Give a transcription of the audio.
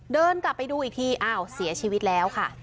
เดินกลับไปดูอีกทีอ้าวเสียชีวิตแล้วค่ะ